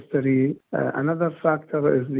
satu lagi faktor adalah